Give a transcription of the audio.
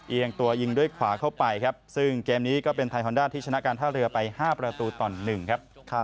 เอียงตัวยิงด้วยขวาเข้าไปครับซึ่งเกมนี้ก็เป็นไทยฮอนด้าที่ชนะการท่าเรือไป๕ประตูต่อ๑ครับ